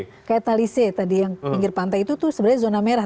kayak talise tadi yang pinggir pantai itu tuh sebenarnya zona merah